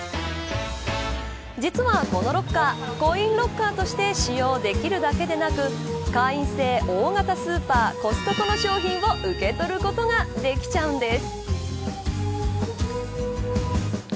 実はこのロッカーコインロッカーとして使用できるだけでなく会員制大型スーパーコストコの商品を受け取ることができちゃうんです。